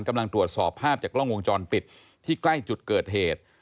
กำลังตรวจสอบภาพจากกล้องวงจรปิดที่ใกล้จุดเกิดเหตุ